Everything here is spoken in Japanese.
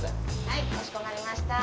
はいかしこまりました